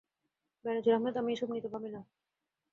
বেনজীর আহমেদ আমি এসব নিয়ে ভাবি না।